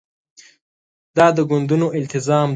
دا د ګوندونو التزام ده.